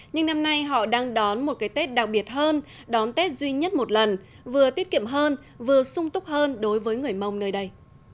nhưng năm nay họ đang đón một cái tết đặc biệt hơn đón tết duy nhất một lần vừa tiết kiệm hơn vừa sung túc hơn đối với người mông nơi đây